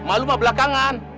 malu mah belakangan